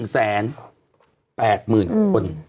๑แสน๘หมื่นคน